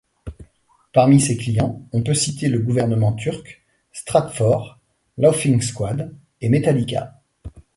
Parmi ses clients, on peut citer le gouvernement turc, Stratfor, Laughing Squid ou Metallica.